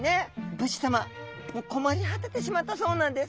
武士さま困り果ててしまったそうなんです。